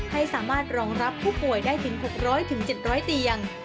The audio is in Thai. ให้สามารถรองรับผู้ป่วยได้ถึง๖๐๐๗๐๐เตียง